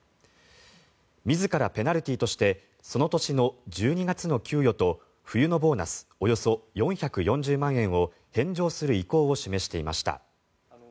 自らペナルティーとしてその年の１２月の給与と冬のボーナスおよそ４４０万円を返上する意向を示していました。